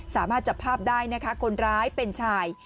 สามารถจับภาพได้นะคะคนร้ายเป็นชาย